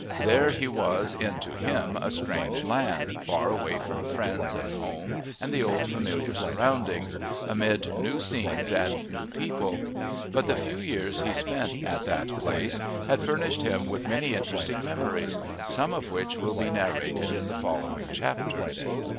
There he was in, to him, a strange land, far away from friends and home and the old familiar surroundings, amid new scenes and new people, But the few years he spent at that place had furnished him with many interesting memories, some of which will be narrated in the following chapters.